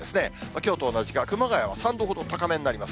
きょうと同じか、熊谷は３度ほど高めになります。